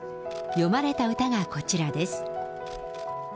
詠まれた歌がこちらです。